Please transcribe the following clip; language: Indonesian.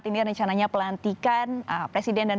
namanya pelantikan presiden dan